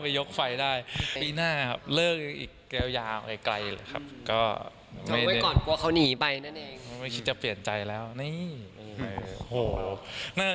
ยกไฟได้ปีหน้าครับเลิกอีกยาวไกลเลยครับ